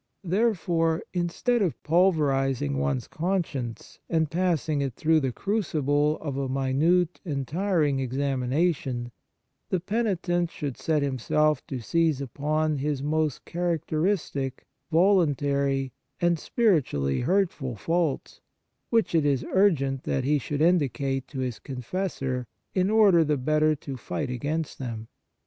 There fore, instead of pulverizing one s conscience and passing it through the crucible of a minute and tiring examination, the penitent should set himself to seize upon his most charac teristic, voluntary, and spiritually hurtful faults, which it is urgent that he should indicate to his confessor in order the better to fight against them.